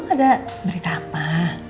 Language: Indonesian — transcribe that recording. ada berita apa